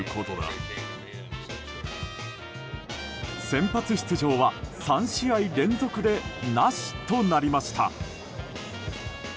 先発出場は３試合連続でなしとなりました。